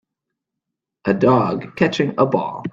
A dog catching a ball